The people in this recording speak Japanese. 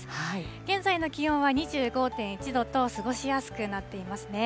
現在の気温は２５．１度と過ごしやすくなっていますね。